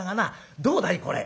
どうだい？これ」。